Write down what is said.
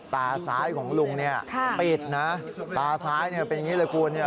ตาซ้ายของลุงปิดนะตาซ้ายเป็นอย่างนี้เลยคุณ